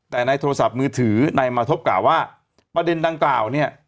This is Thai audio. แต่ในโทรศัพท์มือถือนายมาทบกล่าวว่าประเด็นดังกล่าวเนี่ย